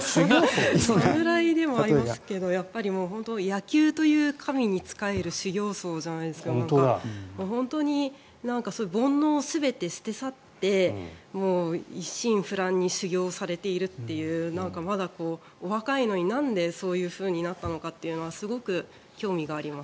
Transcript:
それぐらいだと思いますけど野球という神に仕える修行僧じゃないですが本当に煩悩を全て捨て去って一心不乱に修行されているっていうまだお若いのになんでそういうふうになったのかすごく興味があります。